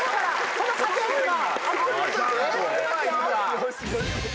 この家系図が。